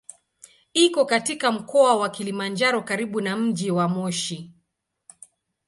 Iko katika Mkoa wa Kilimanjaro karibu na mji wa Moshi.